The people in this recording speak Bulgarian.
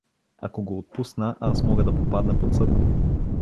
Ако го отпусна, аз мога да попадна под съд.